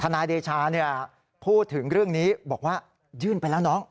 นายเดชาพูดถึงเรื่องนี้บอกว่ายื่นไปแล้วน้อง